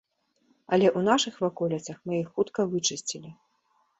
Але ў нашых ваколіцах мы іх хутка вычысцілі.